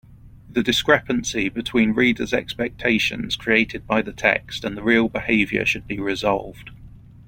The discrepancy between reader’s expectations created by the text and the real behaviour should be resolved.